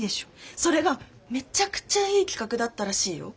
それがめちゃくちゃいい企画だったらしいよ。